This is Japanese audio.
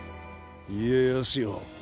家康よ。